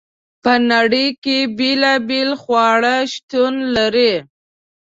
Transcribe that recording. په نړۍ کې بیلابیل خواړه شتون لري.